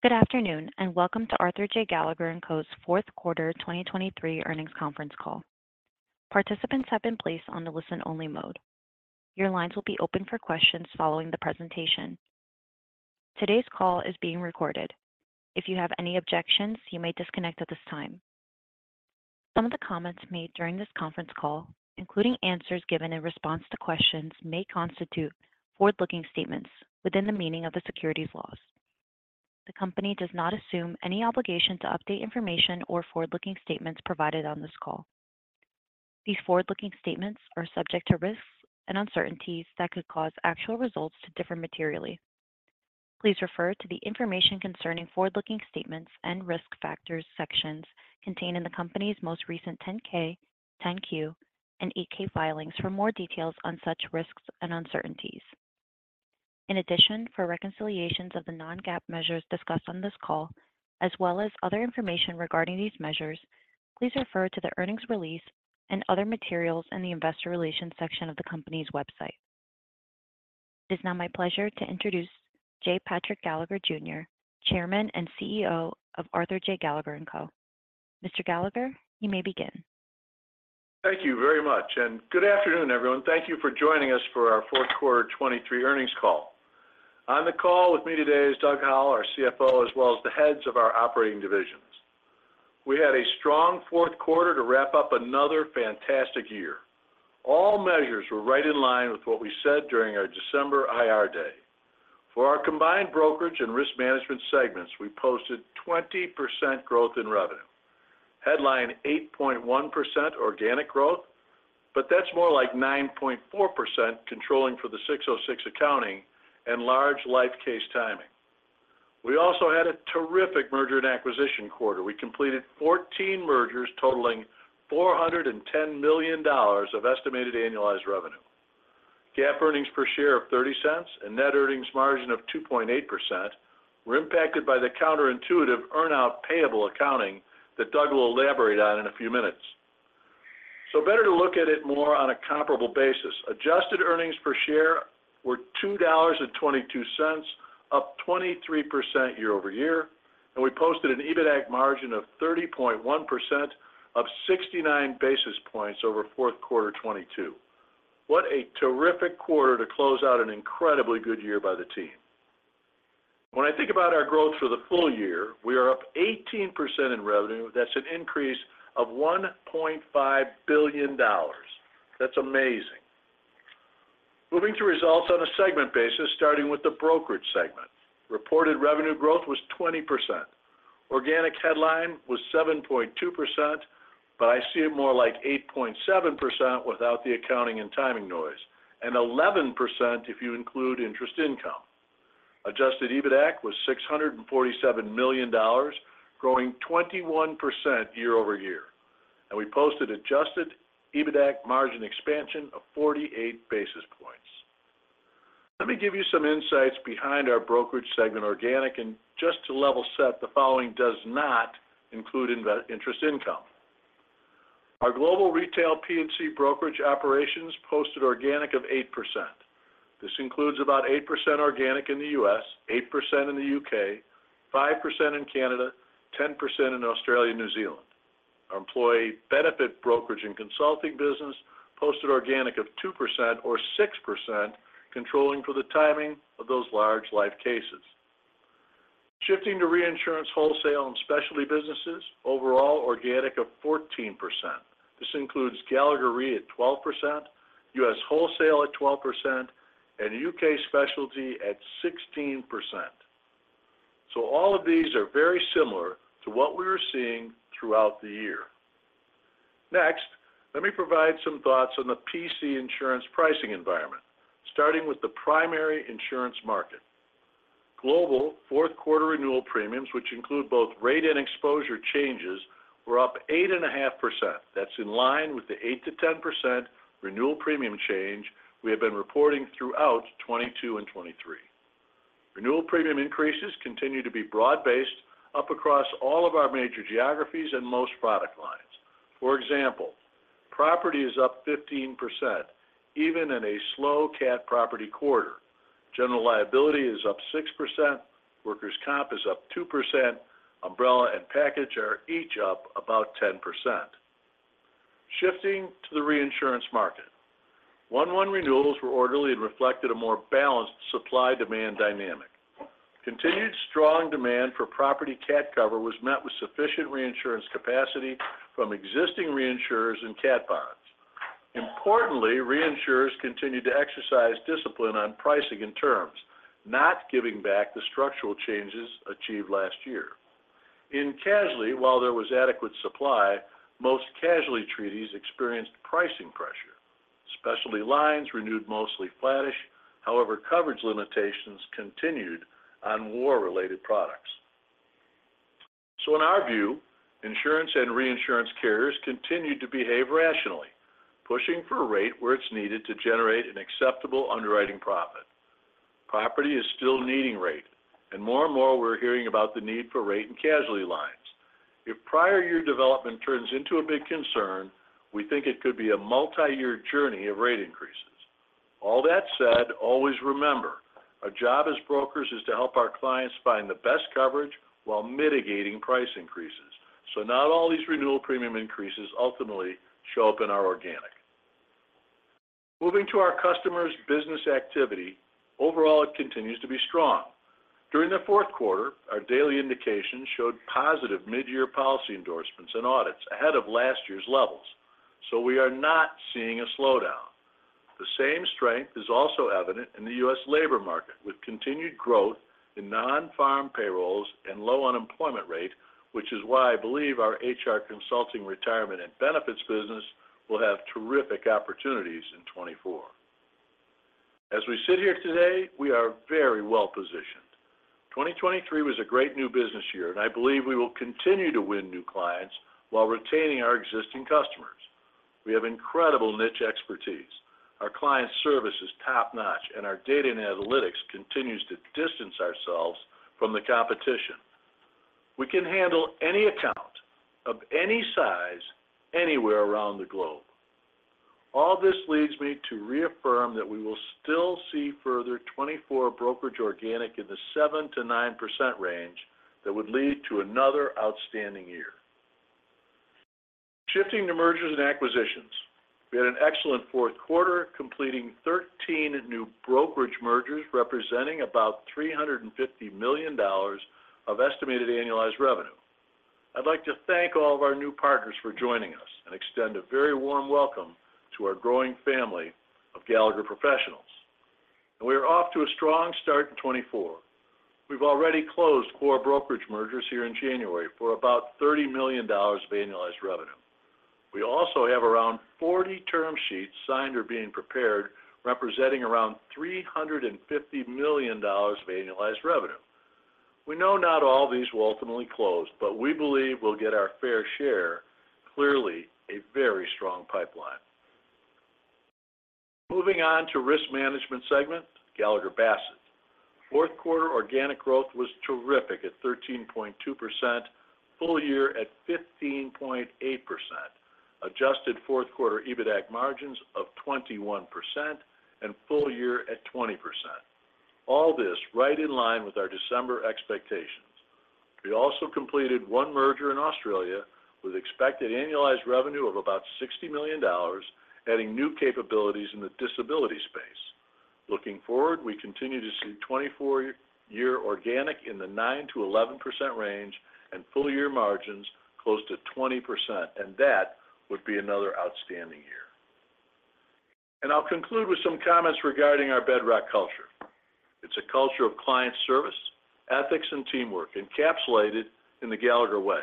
Good afternoon, and welcome to Arthur J. Gallagher & Co.'s Q4 2023 earnings conference call. Participants have been placed on the listen-only mode. Your lines will be open for questions following the presentation. Today's call is being recorded. If you have any objections, you may disconnect at this time. Some of the comments made during this conference call, including answers given in response to questions, may constitute forward-looking statements within the meaning of the securities laws. The Company does not assume any obligation to update information or forward-looking statements provided on this call. These forward-looking statements are subject to risks and uncertainties that could cause actual results to differ materially. Please refer to the Information concerning Forward-looking Statements and Risk Factors sections contained in the Company's most recent 10-K, 10-Q, and 8-K filings for more details on such risks and uncertainties. In addition, for reconciliations of the non-GAAP measures discussed on this call, as well as other information regarding these measures, please refer to the earnings release and other materials in the Investor Relations section of the Company's website. It is now my pleasure to introduce J. Patrick Gallagher, Jr., Chairman and CEO of Arthur J. Gallagher & Co. Mr. Gallagher, you may begin. Thank you very much, and good afternoon, everyone. Thank you for joining us for our Q4 2023 earnings call. On the call with me today is Doug Howell, our CFO, as well as the heads of our operating divisions. We had a strong fourth quarter to wrap up another fantastic year. All measures were right in line with what we said during our December IR day. For our combined brokerage and risk management segments, we posted 20% growth in revenue, headline 8.1% organic growth, but that's more like 9.4%, controlling for the 606 accounting and large life case timing. We also had a terrific merger and acquisition quarter. We completed 14 mergers, totaling $410 million of estimated annualized revenue. GAAP earnings per share of $0.30 and net earnings margin of 2.8% were impacted by the counterintuitive earn-out payable accounting that Doug will elaborate on in a few minutes. So better to look at it more on a comparable basis. Adjusted earnings per share were $2.22, up 23% year-over-year, and we posted an EBITAC margin of 30.1%, up 69 basis points over Q4 2022. What a terrific quarter to close out an incredibly good year by the team! When I think about our growth for the full year, we are up 18% in revenue. That's an increase of $1.5 billion. That's amazing. Moving to results on a segment basis, starting with the brokerage segment. Reported revenue growth was 20%. Organic headline was 7.2%, but I see it more like 8.7% without the accounting and timing noise, and 11% if you include interest income. Adjusted EBITAC was $647 million, growing 21% year-over-year, and we posted adjusted EBITAC margin expansion of 48 basis points. Let me give you some insights behind our brokerage segment organic, and just to level set, the following does not include investment interest income. Our global retail P&C brokerage operations posted organic of 8%. This includes about 8% organic in the U.S., 8% in the U.K., 5% in Canada, 10% in Australia and New Zealand. Our employee benefit brokerage and consulting business posted organic of 2% or 6%, controlling for the timing of those large life cases. Shifting to reinsurance, wholesale, and specialty businesses, overall organic of 14%. This includes Gallagher Re at 12%, US wholesale at 12%, and UK specialty at 16%. So all of these are very similar to what we were seeing throughout the year. Next, let me provide some thoughts on the P&C insurance pricing environment, starting with the primary insurance market. Global Q4 renewal premiums, which include both rate and exposure changes, were up 8.5%. That's in line with the 8%-10% renewal premium change we have been reporting throughout 2022 and 2023. Renewal premium increases continue to be broad-based up across all of our major geographies and most product lines. For example, property is up 15%, even in a slow cat property quarter. General liability is up 6%, workers' comp is up 2%, umbrella and package are each up about 10%. Shifting to the reinsurance market. 1/1 renewals were orderly and reflected a more balanced supply-demand dynamic. Continued strong demand for property cat cover was met with sufficient reinsurance capacity from existing reinsurers and cat bonds. Importantly, reinsurers continued to exercise discipline on pricing and terms, not giving back the structural changes achieved last year. In casualty, while there was adequate supply, most casualty treaties experienced pricing pressure. Specialty lines renewed mostly flattish. However, coverage limitations continued on war-related products. So in our view, insurance and reinsurance carriers continued to behave rationally, pushing for a rate where it's needed to generate an acceptable underwriting profit. Property is still needing rate, and more and more we're hearing about the need for rate and casualty lines. If prior year development turns into a big concern, we think it could be a multi-year journey of rate increases. All that said, always remember, our job as brokers is to help our clients find the best coverage while mitigating price increases. So not all these renewal premium increases ultimately show up in our organic. Moving to our customers' business activity, overall, it continues to be strong. During the Q4, our daily indications showed positive mid-year policy endorsements and audits ahead of last year's levels, so we are not seeing a slowdown. The same strength is also evident in the U.S. labor market, with continued growth in non-farm payrolls and low unemployment rate, which is why I believe our HR consulting, retirement, and benefits business will have terrific opportunities in 2024. As we sit here today, we are very well-positioned. 2023 was a great new business year, and I believe we will continue to win new clients while retaining our existing customers. We have incredible niche expertise. Our client service is top-notch, and our data and analytics continues to distance ourselves from the competition. We can handle any account of any size, anywhere around the globe. All this leads me to reaffirm that we will still see further 2024 brokerage organic in the 7%-9% range that would lead to another outstanding year. Shifting to mergers and acquisitions, we had an excellent Q4, completing 13 new brokerage mergers, representing about $350 million of estimated annualized revenue. I'd like to thank all of our new partners for joining us and extend a very warm welcome to our growing family of Gallagher professionals. We are off to a strong start in 2024. We've already closed four brokerage mergers here in January for about $30 million of annualized revenue. We also have around 40 term sheets signed or being prepared, representing around $350 million of annualized revenue. We know not all of these will ultimately close, but we believe we'll get our fair share, clearly a very strong pipeline. Moving on to risk management segment, Gallagher Bassett. Fourth quarter organic growth was terrific at 13.2%, full year at 15.8%. Adjusted fourth quarter EBITAC margins of 21% and full year at 20%. All this right in line with our December expectations. We also completed one merger in Australia with expected annualized revenue of about $60 million, adding new capabilities in the disability space. Looking forward, we continue to see 2024 organic in the 9%-11% range and full year margins close to 20%, and that would be another outstanding year. I'll conclude with some comments regarding our bedrock culture. It's a culture of client service, ethics, and teamwork, encapsulated in the Gallagher way.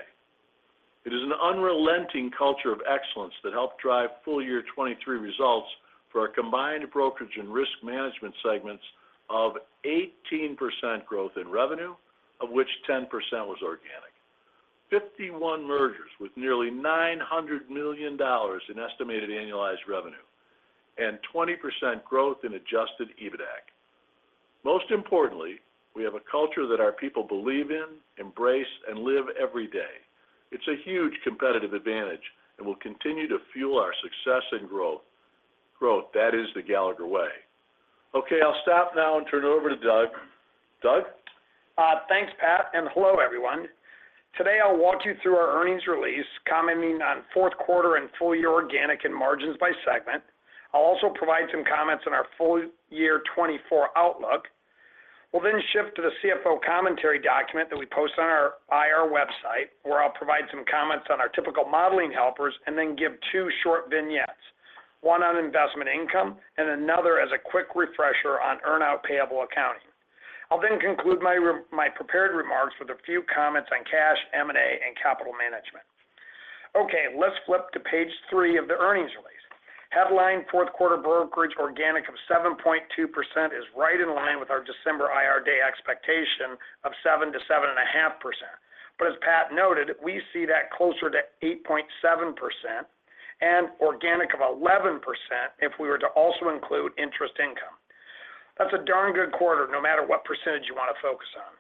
It is an unrelenting culture of excellence that helped drive full year 2023 results for our combined brokerage and risk management segments of 18% growth in revenue, of which 10% was organic. 51 mergers with nearly $900 million in estimated annualized revenue, and 20% growth in adjusted EBITAC. Most importantly, we have a culture that our people believe in, embrace, and live every day. It's a huge competitive advantage and will continue to fuel our success and growth. Growth, that is the Gallagher way. Okay, I'll stop now and turn it over to Doug. Doug? Thanks, Pat, and hello, everyone. Today, I'll walk you through our earnings release, commenting on Q4 and full year organic and margins by segment. I'll also provide some comments on our full year 2024 outlook. We'll then shift to the CFO commentary document that we post on our IR website, where I'll provide some comments on our typical modeling helpers and then give two short vignettes, one on investment income and another as a quick refresher on earn-out payable accounting. I'll then conclude my prepared remarks with a few comments on cash, M&A, and capital management. Okay, let's flip to page 3 of the earnings release. Headline, fourth quarter brokerage organic of 7.2% is right in line with our December IR day expectation of 7%-7.5%. But as Pat noted, we see that closer to 8.7% and organic of 11% if we were to also include interest income. That's a darn good quarter, no matter what percentage you want to focus on.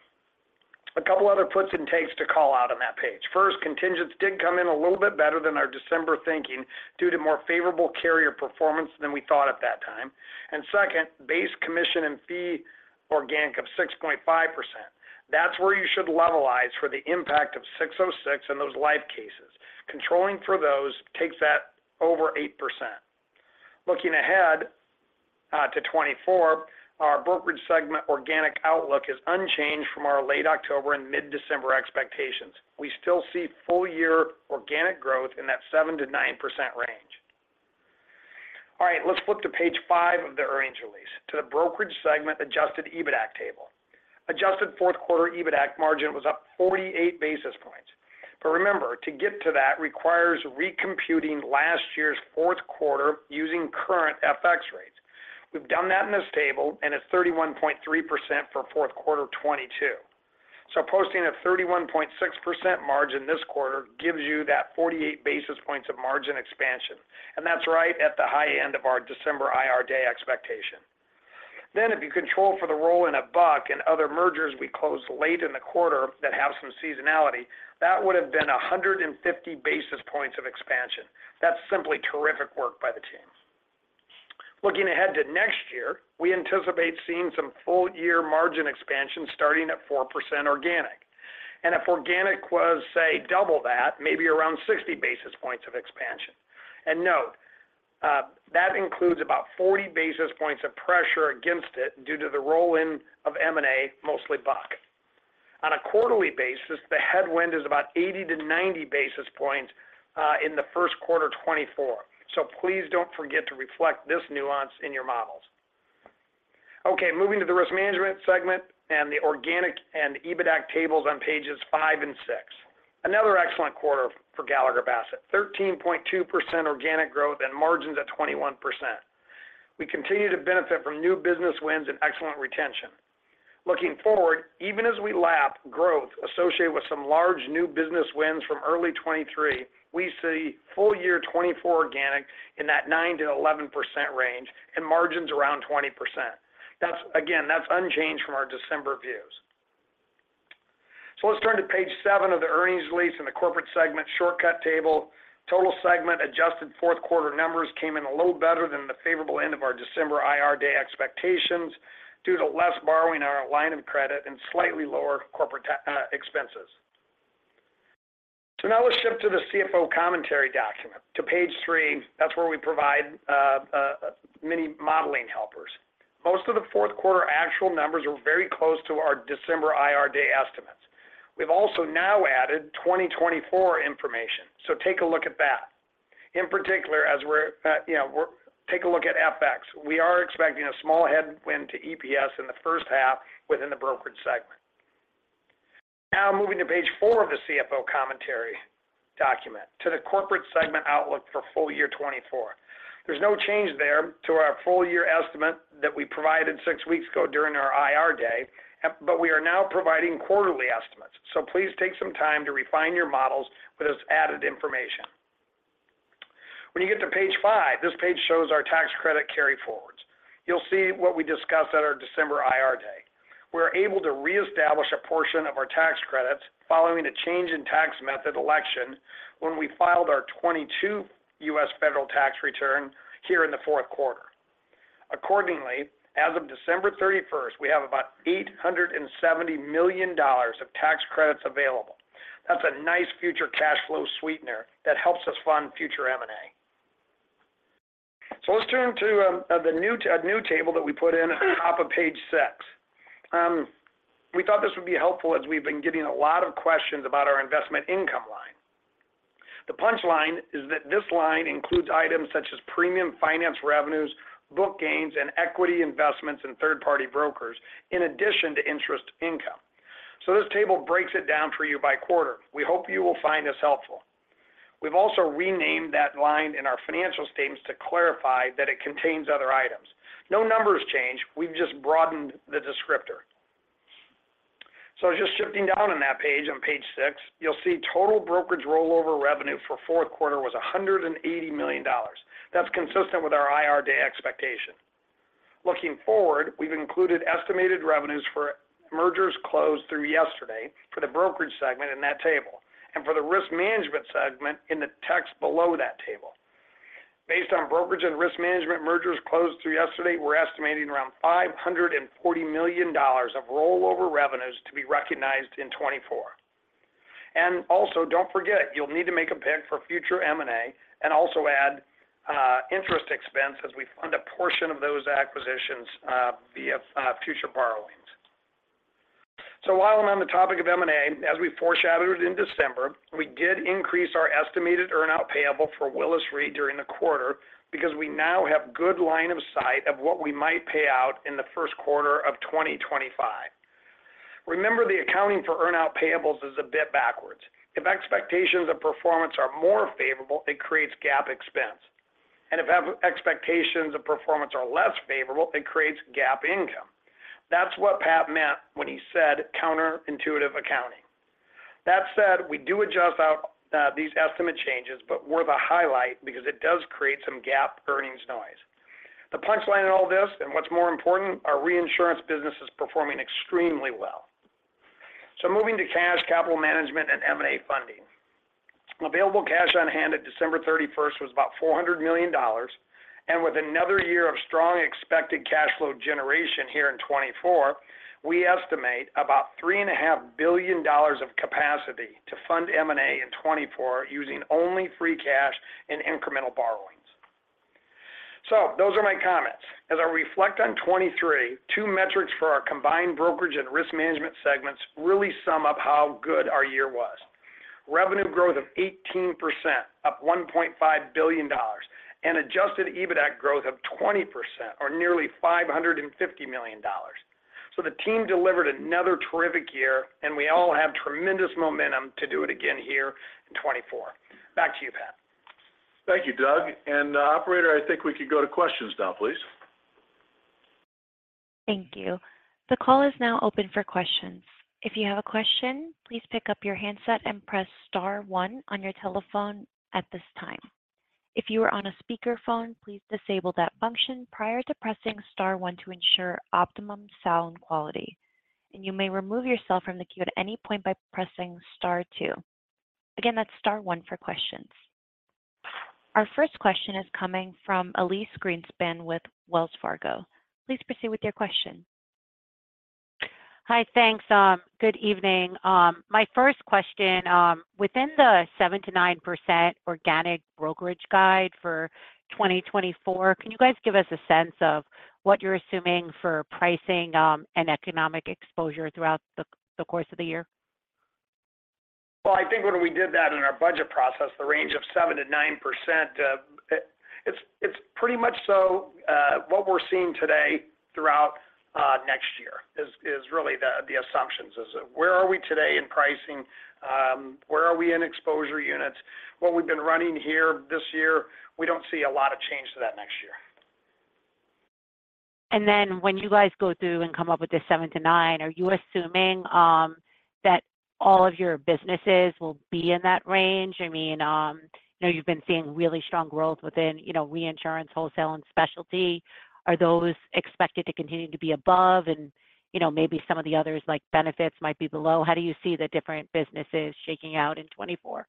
A couple other puts and takes to call out on that page. First, contingents did come in a little bit better than our December thinking, due to more favorable carrier performance than we thought at that time. And second, base commission and fee organic of 6.5%. That's where you should levelize for the impact of 606 in those life cases. Controlling for those takes that over 8%. Looking ahead, to 2024, our brokerage segment organic outlook is unchanged from our late October and mid-December expectations. We still see full year organic growth in that 7%-9% range. All right, let's flip to page 5 of the earnings release, to the brokerage segment adjusted EBITAC table. Adjusted fourth quarter EBITAC margin was up 48 basis points. But remember, to get to that requires recomputing last year's fourth quarter using current FX rates. We've done that in this table, and it's 31.3% for Q4 2022. So posting a 31.6% margin this quarter gives you that 48 basis points of margin expansion, and that's right at the high end of our December IR day expectation. Then if you control for the roll-in of Buck and other mergers we closed late in the quarter that have some seasonality, that would have been 150 basis points of expansion. That's simply terrific work by the teams. Looking ahead to next year, we anticipate seeing some full year margin expansion starting at 4% organic. And if organic was, say, double that, maybe around 60 basis points of expansion. And note, that includes about 40 basis points of pressure against it due to the roll-in of M&A, mostly Buck. On a quarterly basis, the headwind is about 80-90 basis points in the Q1 2024. So please don't forget to reflect this nuance in your models. Okay, moving to the risk management segment and the organic and EBITAC tables on pages 5 and 6. Another excellent quarter for Gallagher Bassett. 13.2% organic growth and margins at 21%. We continue to benefit from new business wins and excellent retention. Looking forward, even as we lap growth associated with some large new business wins from early 2023, we see full year 2024 organic in that 9%-11% range and margins around 20%. That's again, that's unchanged from our December views. So let's turn to page 7 of the earnings release in the corporate segment shortcut table. Total segment adjusted Q4 numbers came in a little better than the favorable end of our December IR day expectations, due to less borrowing on our line of credit and slightly lower corporate expenses. So now let's shift to the CFO commentary document, to page 3. That's where we provide many modeling helpers. Most of the fourth quarter actual numbers were very close to our December IR day estimates. We've also now added 2024 information, so take a look at that. In particular, as we're, you know, take a look at FX. We are expecting a small headwind to EPS in the first half within the brokerage segment. Now, moving to page 4 of the CFO commentary document, to the corporate segment outlook for full year 2024. There's no change there to our full year estimate that we provided six weeks ago during our IR day, but we are now providing quarterly estimates. So please take some time to refine your models with this added information. When you get to page 5, this page shows our tax credit carryforwards. You'll see what we discussed at our December IR day. We're able to reestablish a portion of our tax credits following a change in tax method election when we filed our 2022 U.S. federal tax return here in the Q4. Accordingly, as of December thirty-first, we have about $870 million of tax credits available. That's a nice future cash flow sweetener that helps us fund future M&A. So let's turn to the new table that we put in at the top of page 6. We thought this would be helpful as we've been getting a lot of questions about our investment income line. The punchline is that this line includes items such as premium finance revenues, book gains, and equity investments in third-party brokers, in addition to interest income. So this table breaks it down for you by quarter. We hope you will find this helpful. We've also renamed that line in our financial statements to clarify that it contains other items. No numbers change, we've just broadened the descriptor. So just shifting down on that page, on page six, you'll see total brokerage rollover revenue for Q4 was $180 million. That's consistent with our IR day expectation. Looking forward, we've included estimated revenues for mergers closed through yesterday for the brokerage segment in that table, and for the risk management segment in the text below that table. Based on brokerage and risk management mergers closed through yesterday, we're estimating around $540 million of rollover revenues to be recognized in 2024. And also, don't forget, you'll need to make a pick for future M&A, and also add interest expense as we fund a portion of those acquisitions via future borrowings. So while I'm on the topic of M&A, as we foreshadowed in December, we did increase our estimated earn-out payable for Willis Re during the quarter because we now have good line of sight of what we might pay out in the Q1 of 2025. Remember, the accounting for earn-out payables is a bit backwards. If expectations of performance are more favorable, it creates GAAP expense, and if expectations of performance are less favorable, it creates GAAP income. That's what Pat meant when he said, "Counterintuitive accounting." That said, we do adjust out, these estimate changes, but worth a highlight because it does create some GAAP earnings noise. The punchline in all this, and what's more important, our reinsurance business is performing extremely well. So moving to cash, capital management, and M&A funding. Available cash on hand at December 31 was about $400 million, and with another year of strong expected cash flow generation here in 2024, we estimate about $3.5 billion of capacity to fund M&A in 2024 using only free cash and incremental borrowings. So those are my comments. As I reflect on 2023, two metrics for our combined brokerage and risk management segments really sum up how good our year was. Revenue growth of 18%, up $1.5 billion, and adjusted EBITAC growth of 20% or nearly $550 million. So the team delivered another terrific year, and we all have tremendous momentum to do it again here in 2024. Back to you, Pat. Thank you, Doug. And, operator, I think we could go to questions now, please. Thank you. The call is now open for questions. If you have a question, please pick up your handset and press star one on your telephone at this time…. If you are on a speakerphone, please disable that function prior to pressing star one to ensure optimum sound quality. And you may remove yourself from the queue at any point by pressing star two. Again, that's star one for questions. Our first question is coming from Elyse Greenspan with Wells Fargo. Please proceed with your question. Hi, thanks. Good evening. My first question, within the 7%-9% organic brokerage guide for 2024, can you guys give us a sense of what you're assuming for pricing, and economic exposure throughout the course of the year? Well, I think when we did that in our budget process, the range of 7%-9%, it's pretty much so what we're seeing today throughout next year is really the assumptions. Where are we today in pricing? Where are we in exposure units? What we've been running here this year, we don't see a lot of change to that next year. Then when you guys go through and come up with this 7-9, are you assuming that all of your businesses will be in that range? I mean, you know, you've been seeing really strong growth within, you know, reinsurance, wholesale, and specialty. Are those expected to continue to be above, and you know, maybe some of the others, like benefits, might be below? How do you see the different businesses shaking out in 2024?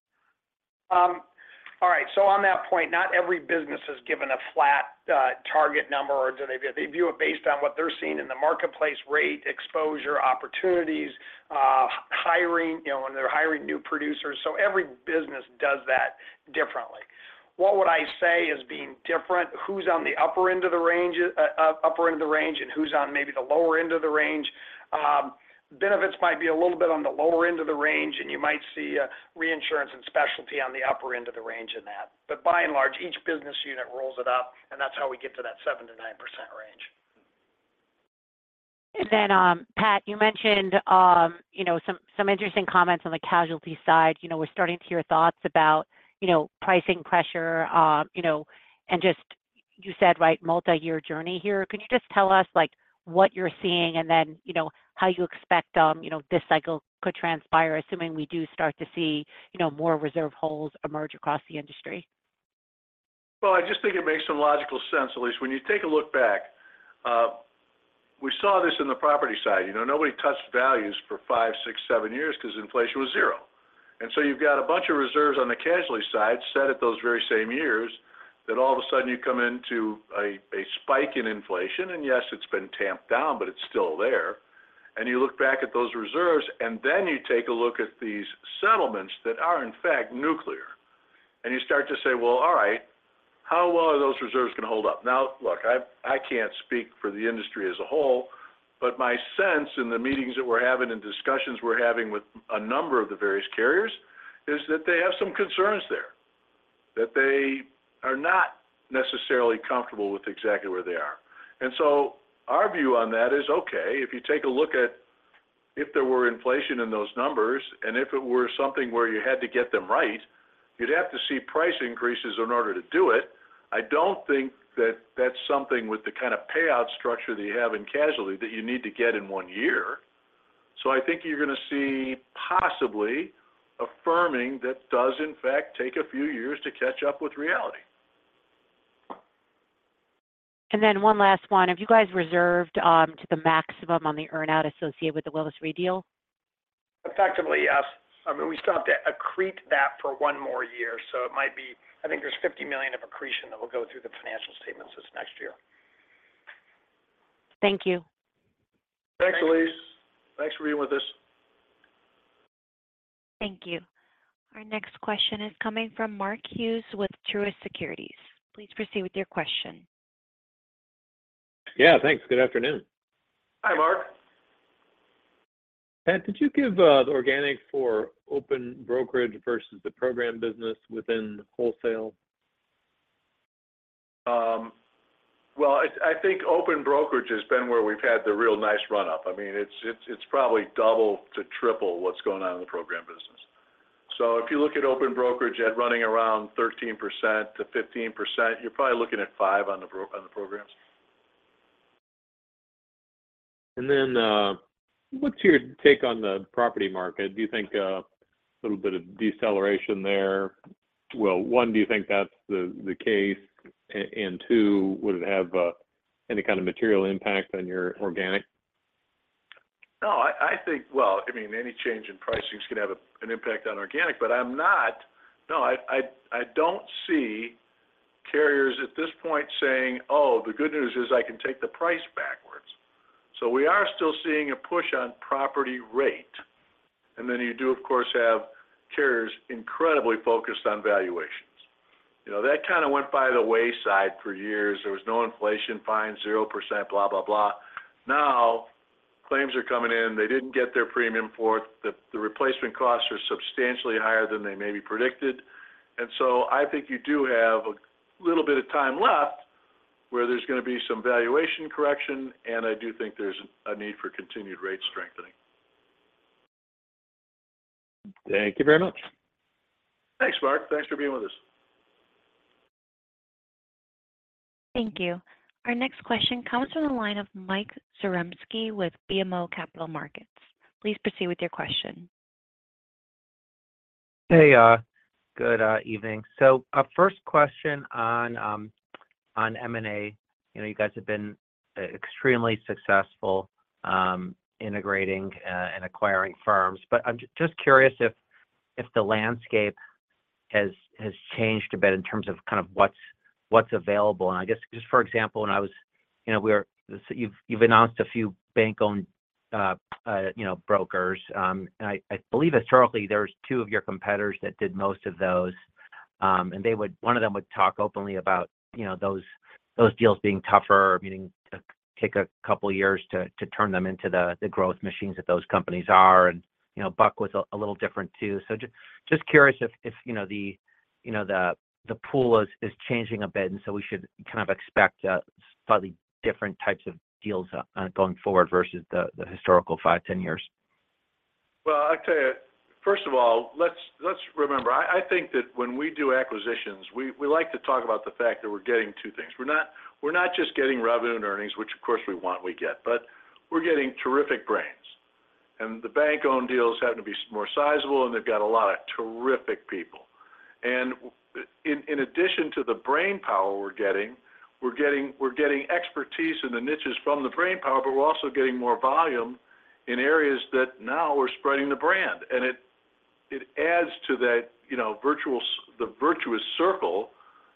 All right, so on that point, not every business is given a flat target number, or do they view it based on what they're seeing in the marketplace, rate, exposure, opportunities, hiring, you know, when they're hiring new producers. So every business does that differently. What would I say is being different? Who's on the upper end of the range, upper end of the range, and who's on maybe the lower end of the range? Benefits might be a little bit on the lower end of the range, and you might see reinsurance and specialty on the upper end of the range in that. But by and large, each business unit rolls it up, and that's how we get to that 7%-9% range. And then, Pat, you mentioned, you know, some interesting comments on the casualty side. You know, we're starting to hear thoughts about, you know, pricing pressure, you know, and just you said, right, multiyear journey here. Could you just tell us, like, what you're seeing and then, you know, how you expect, you know, this cycle could transpire, assuming we do start to see, you know, more reserve holes emerge across the industry? Well, I just think it makes some logical sense, Elise. When you take a look back, we saw this in the property side. You know, nobody touched values for 5, 6, 7 years 'cause inflation was zero. And so you've got a bunch of reserves on the casualty side set at those very same years, then all of a sudden you come into a spike in inflation, and yes, it's been tamped down, but it's still there. And you look back at those reserves, and then you take a look at these settlements that are, in fact, nuclear. And you start to say, "Well, all right, how well are those reserves going to hold up?" Now, look, I, I can't speak for the industry as a whole, but my sense in the meetings that we're having and discussions we're having with a number of the various carriers, is that they have some concerns there. That they are not necessarily comfortable with exactly where they are. And so our view on that is, okay, if you take a look at if there were inflation in those numbers, and if it were something where you had to get them right, you'd have to see price increases in order to do it. I don't think that that's something with the kind of payout structure that you have in casualty that you need to get in one year. I think you're going to see possibly affirming that does in fact take a few years to catch up with reality. One last one. Have you guys reserved to the maximum on the earn-out associated with the Willis Re deal? Effectively, yes. I mean, we still have to accrete that for one more year, so it might be... I think there's $50 million of accretion that will go through the financial statements this next year. Thank you. Thanks, Elise. Thanks for being with us. Thank you. Our next question is coming from Mark Hughes with Truist Securities. Please proceed with your question. Yeah, thanks. Good afternoon. Hi, Mark. Pat, could you give the organic for open brokerage versus the program business within wholesale? Well, I think open brokerage has been where we've had the real nice run up. I mean, it's probably double to triple what's going on in the program business. So if you look at open brokerage at running around 13%-15%, you're probably looking at 5 on the programs. And then, what's your take on the property market? Do you think a little bit of deceleration there? Well, one, do you think that's the case? And two, would it have any kind of material impact on your organic? No, I think. Well, I mean, any change in pricing is going to have an impact on organic, but I'm not. No, I don't see carriers at this point saying, "Oh, the good news is I can take the price backwards." So we are still seeing a push on property rate, and then you do, of course, have carriers incredibly focused on valuations. You know, that kind of went by the wayside for years. There was no inflation, fine, 0%, blah, blah, blah. Now, claims are coming in. They didn't get their premium for it, the, the replacement costs are substantially higher than they maybe predicted. And so I think you do have a little bit of time left, where there's going to be some valuation correction, and I do think there's a need for continued rate strengthening. Thank you very much. Thanks, Mark. Thanks for being with us. Thank you. Our next question comes from the line of Mike Zaremski with BMO Capital Markets. Please proceed with your question. Hey, good evening. So, first question on M&A. You know, you guys have been extremely successful integrating and acquiring firms, but I'm just curious if the landscape has changed a bit in terms of kind of what's available. And I guess, just for example, when I was, you know, you've announced a few bank-owned, you know, brokers. And I believe historically, there's two of your competitors that did most of those. And they would, one of them would talk openly about, you know, those deals being tougher, meaning to take a couple of years to turn them into the growth machines that those companies are. And, you know, Buck was a little different, too. So just curious if you know the pool is changing a bit, and so we should kind of expect slightly different types of deals going forward versus the historical 5-10 years. Well, I'll tell you, first of all, let's remember, I think that when we do acquisitions, we like to talk about the fact that we're getting two things. We're not just getting revenue and earnings, which of course we want and we get, but we're getting terrific brands. And the bank-owned deals happen to be more sizable, and they've got a lot of terrific people. And in addition to the brainpower we're getting, we're getting expertise in the niches from the brainpower, but we're also getting more volume in areas that now we're spreading the brand. And it adds to that, you know, the virtuous circle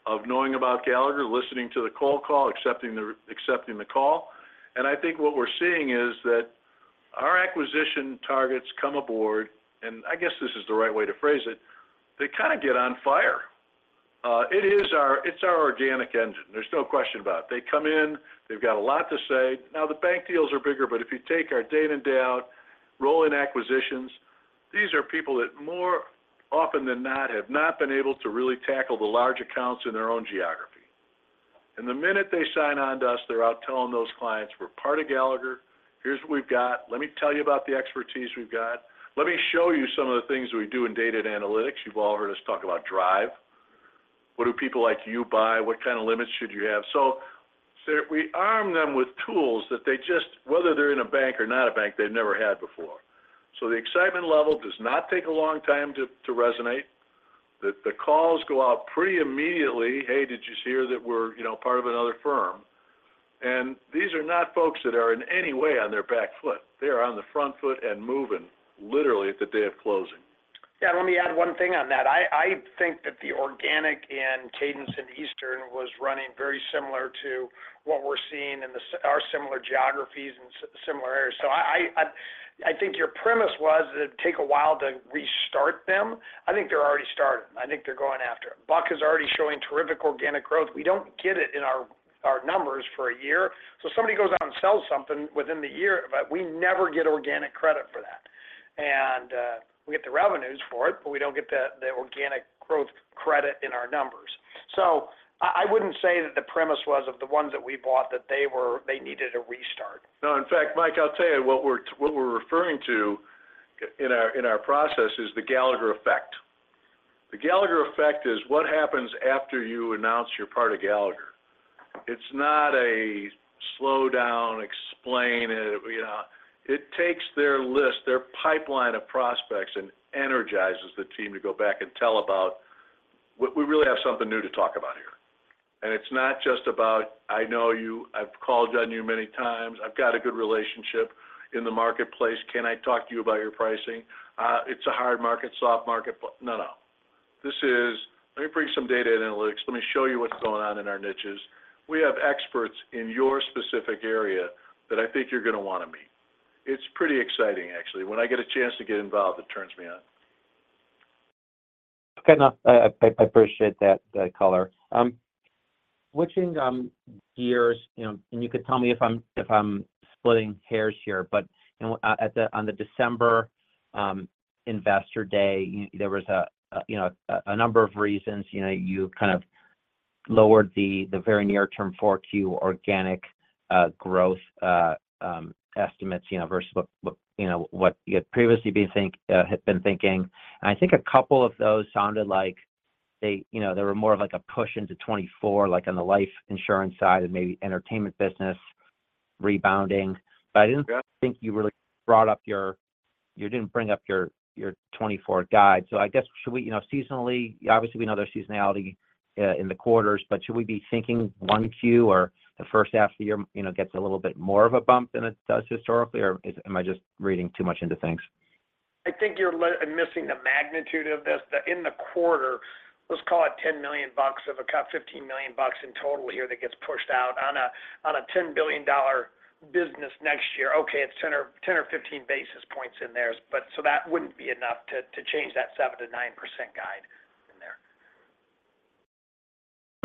of knowing about Gallagher, listening to the cold call, accepting the call. I think what we're seeing is that our acquisition targets come aboard, and I guess this is the right way to phrase it: they kind of get on fire. It is our organic engine. There's no question about it. They come in, they've got a lot to say. Now, the bank deals are bigger, but if you take our day in, day out, roll-in acquisitions, these are people that more often than not, have not been able to really tackle the large accounts in their own geography. The minute they sign on to us, they're out telling those clients, "We're part of Gallagher. Here's what we've got. Let me tell you about the expertise we've got. Let me show you some of the things we do in data and analytics." You've all heard us talk about Drive. What do people like you buy? What kind of limits should you have? So we arm them with tools that they just, whether they're in a bank or not a bank, they've never had before. So the excitement level does not take a long time to resonate. The calls go out pretty immediately. "Hey, did you hear that we're, you know, part of another firm?" And these are not folks that are in any way on their back foot. They are on the front foot and moving, literally at the day of closing. Yeah, let me add one thing on that. I think that the organic and Cadence in Eastern was running very similar to what we're seeing in our similar geographies and similar areas. So I think your premise was that it'd take a while to restart them. I think they're already started. I think they're going after it. Buck is already showing terrific organic growth. We don't get it in our numbers for a year. So if somebody goes out and sells something within the year, but we never get organic credit for that. And we get the revenues for it, but we don't get the organic growth credit in our numbers. So I wouldn't say that the premise was of the ones that we bought, that they were. They needed a restart. No, in fact, Mike, I'll tell you, what we're referring to in our process is the Gallagher effect. The Gallagher effect is what happens after you announce you're part of Gallagher. It's not a slowdown, you know. It takes their list, their pipeline of prospects, and energizes the team to go back and tell about, "We really have something new to talk about here." And it's not just about, I know you, I've called on you many times. I've got a good relationship in the marketplace. Can I talk to you about your pricing? It's a hard market, soft market, but. No, no. This is, "Let me bring you some data and analytics. Let me show you what's going on in our niches. We have experts in your specific area that I think you're going to want to meet." It's pretty exciting, actually. When I get a chance to get involved, it turns me on. Okay, now, I appreciate that color. Switching gears, you know, and you can tell me if I'm splitting hairs here, but you know, on the December Investor Day, you know, there was a number of reasons, you know, you kind of lowered the very near term 4Q organic growth estimates, you know, versus what you had previously been thinking. And I think a couple of those sounded like they, you know, they were more of like a push into 2024, like on the life insurance side and maybe entertainment business rebounding. Yeah. But I didn't think you really brought up your 24 guide. So I guess, should we, you know, seasonally, obviously, we know there's seasonality in the quarters, but should we be thinking one Q or the first half of the year, you know, gets a little bit more of a bump than it does historically, or am I just reading too much into things? I think you're missing the magnitude of this. In the quarter, let's call it $10 million bucks of a cut, $15 million bucks in total here, that gets pushed out on a $10 billion business next year. Okay, it's 10 or 15 basis points in there, but so that wouldn't be enough to change that 7%-9% guide in there.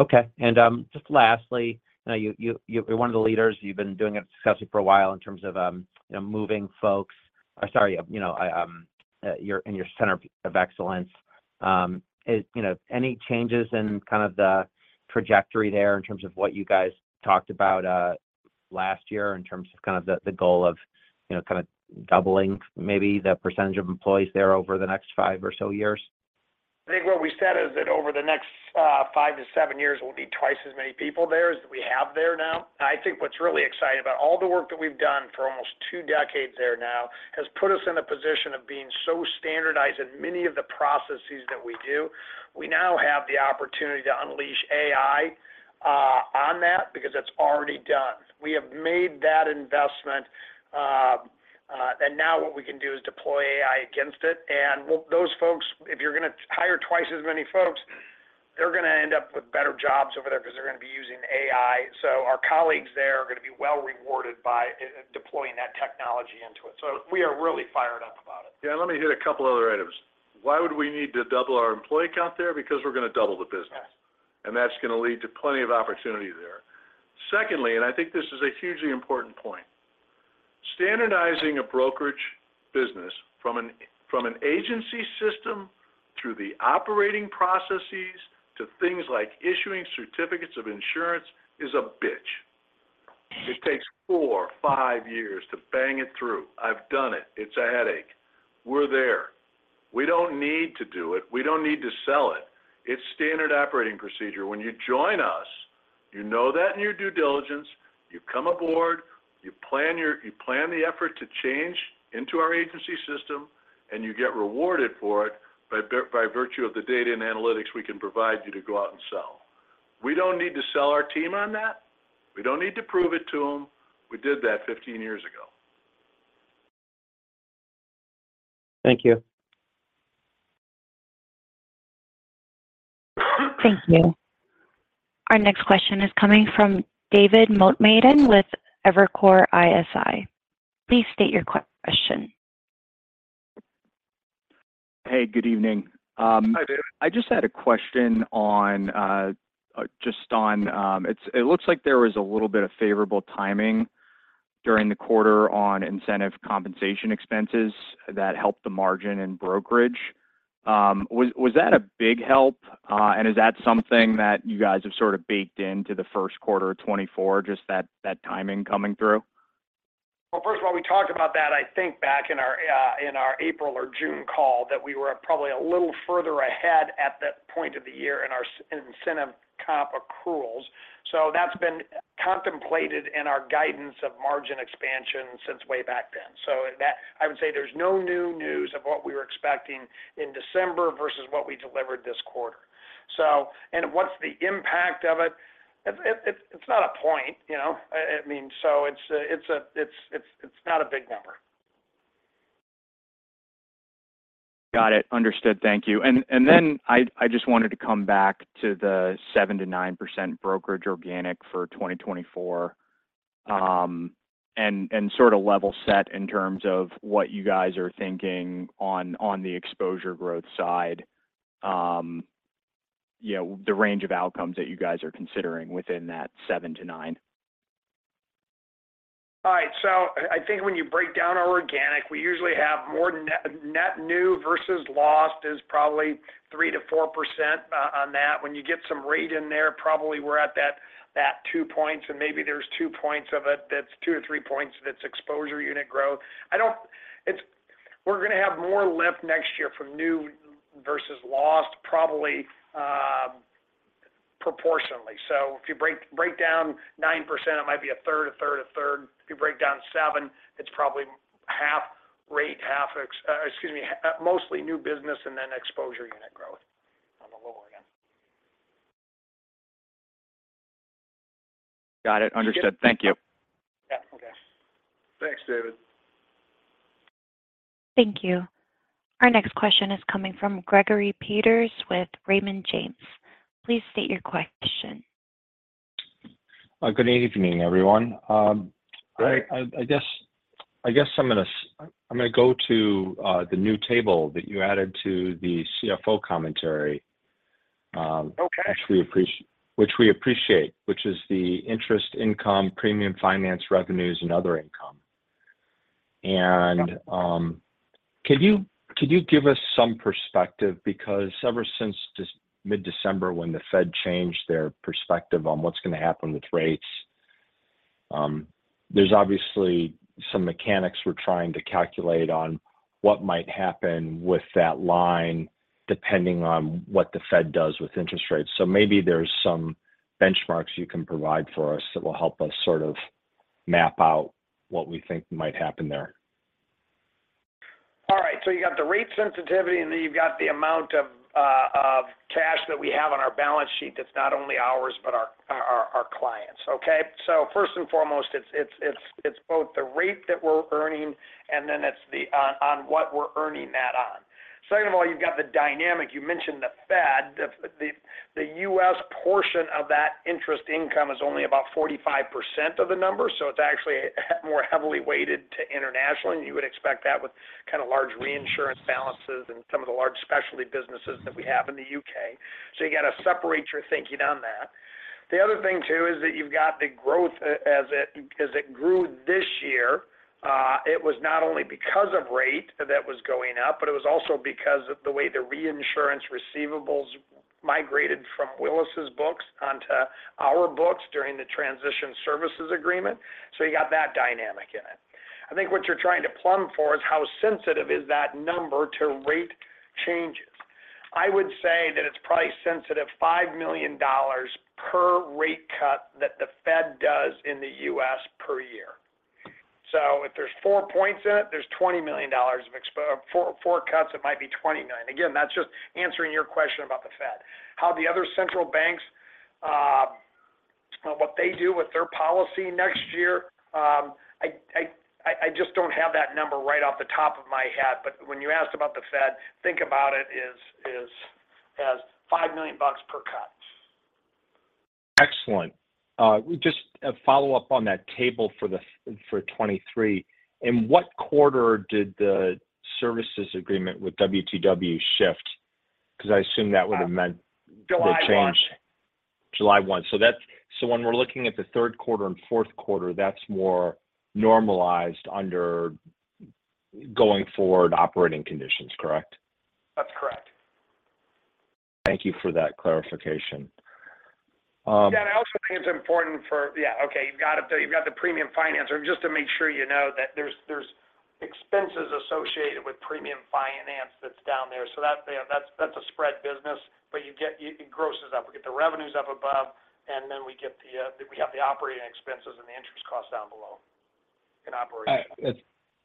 Okay. And just lastly, I know you, you're one of the leaders, you've been doing it successfully for a while in terms of, you know, moving folks or sorry, you know, your Center Of Excellence. Is, you know, any changes in kind of the trajectory there in terms of what you guys talked about last year, in terms of kind of the goal of, you know, kind of doubling maybe the percentage of employees there over the next 5 or so years? I think what we said is that over the next, 5-7 years, we'll be twice as many people there as we have there now. I think what's really exciting about all the work that we've done for almost 2 decades there now, has put us in a position of being so standardized in many of the processes that we do. We now have the opportunity to unleash AI, on that because that's already done. We have made that investment, and now what we can do is deploy AI against it. And well, those folks, if you're going to hire twice as many folks, they're going to end up with better jobs over there because they're going to be using AI. So our colleagues there are going to be well rewarded by, deploying that technology into it. We are really fired up about it. Yeah, let me hit a couple other items. Why would we need to double our employee count there? Because we're going to double the business. Yes. That's going to lead to plenty of opportunity there. Secondly, and I think this is a hugely important point, standardizing a brokerage business from an agency system through the operating processes to things like issuing certificates of insurance is a bitch. It takes 4-5 years to bang it through. I've done it. It's a headache. We're there. We don't need to do it. We don't need to sell it. It's standard operating procedure. When you join us, you know that in your due diligence, you come aboard, you plan the effort to change into our agency system, and you get rewarded for it by virtue of the data and analytics we can provide you to go out and sell. We don't need to sell our team on that. We don't need to prove it to them. We did that 15 years ago. Thank you. Thank you. Our next question is coming from David Motemaden with Evercore ISI. Please state your question. Hey, good evening. Hi, David. I just had a question on just on. It looks like there was a little bit of favorable timing during the quarter on incentive compensation expenses that helped the margin and brokerage. Was that a big help? And is that something that you guys have sort of baked into the Q1 of 2024, just that timing coming through? Well, first of all, we talked about that, I think, back in our April or June call, that we were probably a little further ahead at that point of the year in our incentive comp accruals. So that's been contemplated in our guidance of margin expansion since way back then. So that, I would say there's no new news of what we were expecting in December versus what we delivered this quarter. So, and what's the impact of it? It's not a point, you know, I mean, so it's not a big number. Got it. Understood. Thank you. And then I just wanted to come back to the 7%-9% brokerage organic for 2024, and sort of level set in terms of what you guys are thinking on the exposure growth side. You know, the range of outcomes that you guys are considering within that 7%-9%. All right. So I think when you break down our organic, we usually have more net new versus lost is probably 3%-4% on that. When you get some rate in there, probably we're at that 2 points, and maybe there's 2 points of it, that's 2 or 3 points, that's exposure unit growth. We're going to have more lift next year from new versus lost, probably proportionately. So if you break down 9%, it might be a third, a third, a third. If you break down 7, it's probably half rate, half, mostly new business and then exposure unit growth on the lower end. Got it. Understood. Good? Thank you. Yeah. Okay. Thanks, David. Thank you. Our next question is coming from Gregory Peters with Raymond James. Please state your question. Good evening, everyone. Hi I guess I'm going to go to the new table that you added to the CFO commentary. Okay which we appreciate, which is the interest, income, premium, finance, revenues, and other income. And, could you, could you give us some perspective? Because ever since this mid-December, when the Fed changed their perspective on what's going to happen with rates, there's obviously some mechanics we're trying to calculate on what might happen with that line, depending on what the Fed does with interest rates. So maybe there's some benchmarks you can provide for us that will help us sort of map out what we think might happen there. All right. So you got the rate sensitivity, and then you've got the amount of cash that we have on our balance sheet. That's not only ours, but our clients, okay? So first and foremost, it's both the rate that we're earning, and then it's the on what we're earning that on. Second of all, you've got the dynamic. You mentioned the Fed. The U.S. portion of that interest income is only about 45% of the number, so it's actually more heavily weighted to international, and you would expect that with kind of large reinsurance balances and some of the large specialty businesses that we have in the U.K. So you got to separate your thinking on that. The other thing, too, is that you've got the growth as it grew this year, it was not only because of rate that was going up, but it was also because of the way the reinsurance receivables migrated from Willis's books onto our books during the transition services agreement. So you got that dynamic in it. I think what you're trying to plumb for is how sensitive is that number to rate changes? I would say that it's probably sensitive $5 million per rate cut that the Fed does in the U.S. per year. So if there's 4 points in it, there's $20 million of 4, 4 cuts, it might be $20 million. Again, that's just answering your question about the Fed. How the other central banks, what they do with their policy next year, I just don't have that number right off the top of my head. But when you asked about the Fed, think about it as $5 million per cut. Excellent. Just a follow-up on that table for 2023. In what quarter did the services agreement with WTW shift? Because I assume that would have meant? July 1. The change. July 1. So when we're looking at the Q3 and Q4, that's more normalized under going forward operating conditions, correct? That's correct. Thank you for that clarification, Yeah, and I also think it's important for. Yeah, okay, you've got it. You've got the premium finance. Just to make sure you know that there's expenses associated with premium finance that's down there. So that, yeah, that's a spread business, but you get it, it grosses up. We get the revenues up above, and then we get the, we have the operating expenses and the interest costs down below in operation.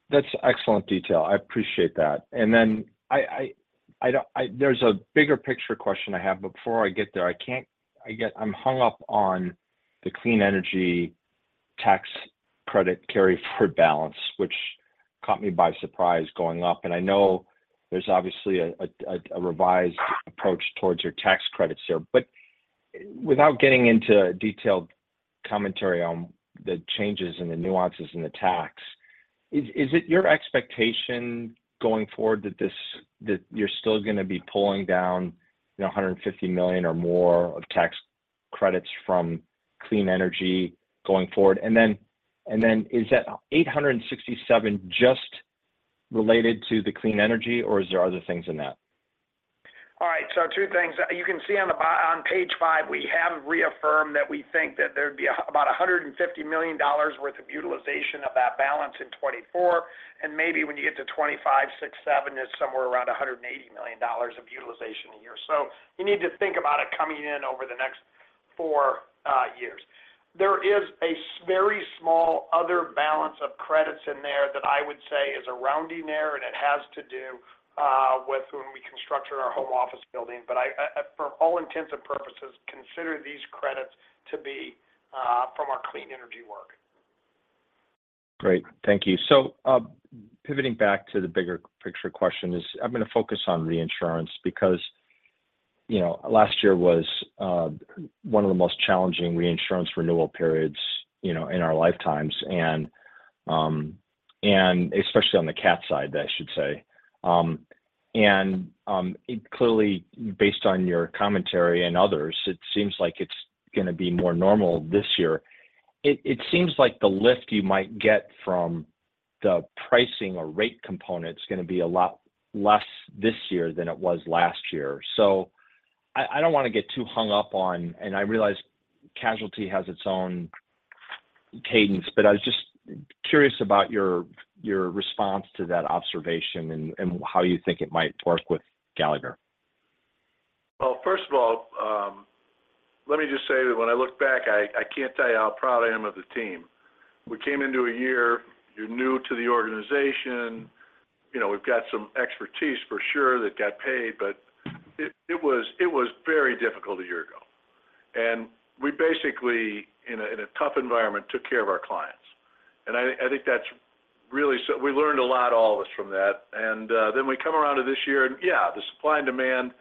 That's excellent detail. I appreciate that. Then there's a bigger picture question I have, but before I get there, I'm hung up on the clean energy tax credit carry forward balance, which caught me by surprise going up. And I know there's obviously a revised approach towards your tax credits here. But without getting into detailed commentary on the changes and the nuances in the tax, is it your expectation going forward that you're still going to be pulling down, you know, $150 million or more of tax credits from clean energy going forward? And then is that $867 just related to the clean energy, or is there other things in that? All right, so two things. You can see on page 5, we have reaffirmed that we think that there'd be about $150 million worth of utilization of that balance in 2024, and maybe when you get to 2025, 2026, 2027, it's somewhere around $180 million of utilization a year. So you need to think about it coming in over the next 4 years. There is a very small other balance of credits in there that I would say is a rounding error, and it has to do with when we constructed our home office building. But I, for all intents and purposes, consider these credits to be from our clean energy work. Great. Thank you. So, pivoting back to the bigger picture question is, I'm going to focus on reinsurance because, you know, last year was one of the most challenging reinsurance renewal periods, you know, in our lifetimes, and especially on the cat side, I should say. And, it clearly, based on your commentary and others, it seems like it's going to be more normal this year. It seems like the lift you might get from the pricing or rate component is going to be a lot less this year than it was last year. So I don't want to get too hung up on, and I realize casualty has its own cadence, but I was just curious about your response to that observation and how you think it might work with Gallagher. Well, first of all, let me just say that when I look back, I, I can't tell you how proud I am of the team. We came into a year, you're new to the organization, you know, we've got some expertise for sure, that got paid, but it, it was, it was very difficult a year ago. And we basically, in a, in a tough environment, took care of our clients. And I, I think that's really so. We learned a lot, all of us, from that. And then we come around to this year, and yeah, the supply and demand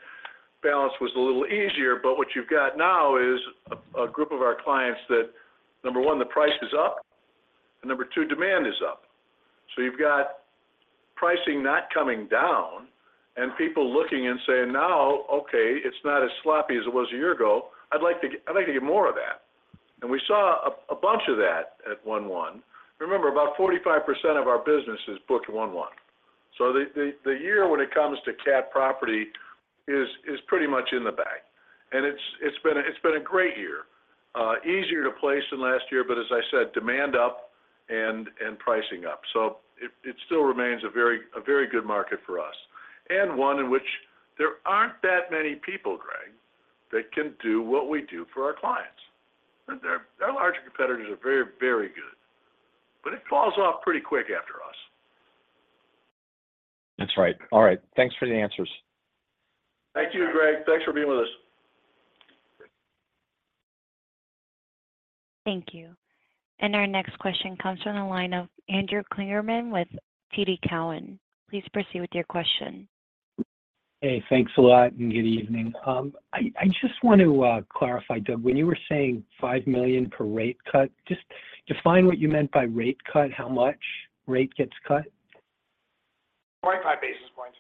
balance was a little easier, but what you've got now is a, a group of our clients that, number one, the price is up, and number two, demand is up. So you've got pricing not coming down and people looking and saying, "Now, okay, it's not as sloppy as it was a year ago. I'd like to get more of that." And we saw a bunch of that at 1/1. Remember, about 45% of our business is booked 1/1. So the year when it comes to cat property is pretty much in the bag, and it's been a great year. Easier to place than last year, but as I said, demand up and pricing up. So it still remains a very good market for us, and one in which there aren't that many people, Greg, that can do what we do for our clients. Their larger competitors are very, very good, but it falls off pretty quick after us. That's right. All right, thanks for the answers. Thank you, Greg. Thanks for being with us. Thank you. Our next question comes from the line of Andrew Kligerman with TD Cowen. Please proceed with your question. Hey, thanks a lot, and good evening. I just want to clarify, Doug, when you were saying $5 million per rate cut, just define what you meant by rate cut. How much rate gets cut? 25 basis points.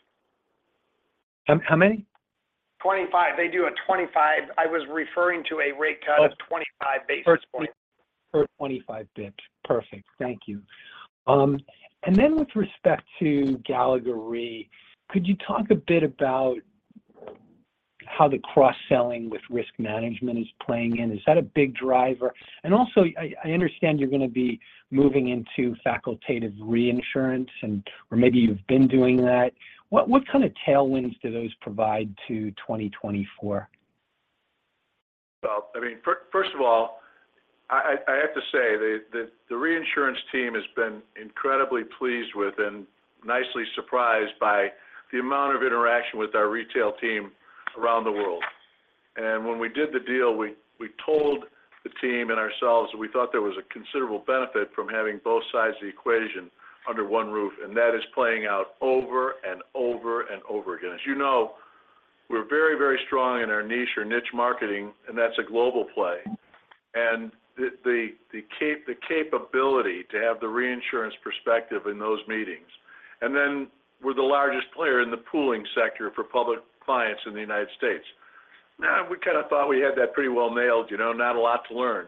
How many? 25. They do a 25. I was referring to a rate cut of 25 basis points. 25 bps. Perfect. Thank you. And then with respect to Gallagher Re, could you talk a bit about how the cross-selling with risk management is playing in. Is that a big driver? And also, I understand you're going to be moving into facultative reinsurance, and or maybe you've been doing that. What kind of tailwinds do those provide to 2024? Well, I mean, first of all, I have to say that the reinsurance team has been incredibly pleased with, and nicely surprised by the amount of interaction with our retail team around the world. And when we did the deal, we told the team and ourselves that we thought there was a considerable benefit from having both sides of the equation under one roof, and that is playing out over, and over, and over again. As you know, we're very, very strong in our niche or niche marketing, and that's a global play. And the capability to have the reinsurance perspective in those meetings, and then we're the largest player in the pooling sector for public clients in the United States. Now, we kind of thought we had that pretty well nailed, you know, not a lot to learn.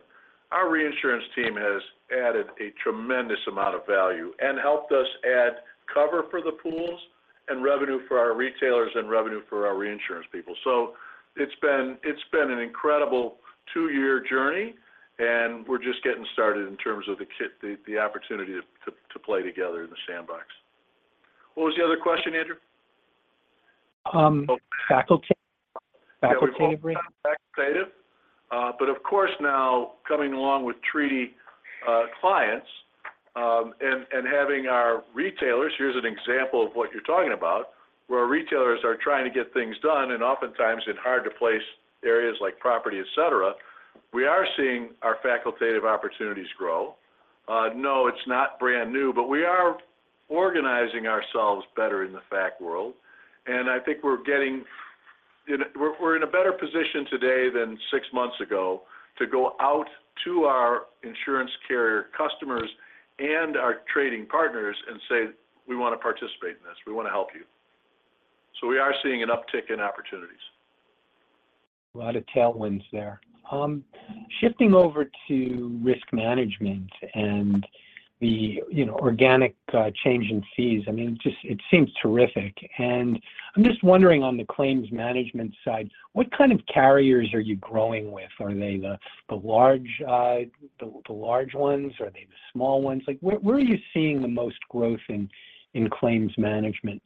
Our reinsurance team has added a tremendous amount of value and helped us add cover for the pools and revenue for our retailers and revenue for our reinsurance people. So it's been an incredible two-year journey, and we're just getting started in terms of the opportunity to play together in the sandbox. What was the other question, Andrew? Facultative. Facultative. But of course, now coming along with treaty clients, and having our retailers, here's an example of what you're talking about, where our retailers are trying to get things done, and oftentimes in hard-to-place areas like property, et cetera, we are seeing our facultative opportunities grow. No, it's not brand new, but we are organizing ourselves better in the fac world, and I think we're in a better position today than six months ago, to go out to our insurance carrier customers and our trading partners and say, "We want to participate in this. We want to help you." So we are seeing an uptick in opportunities. A lot of tailwinds there. Shifting over to risk management and the, you know, organic change in fees, I mean, just, it seems terrific. And I'm just wondering on the claims management side, what kind of carriers are you growing with? Are they the large ones? Are they the small ones? Like, where are you seeing the most growth in claims management?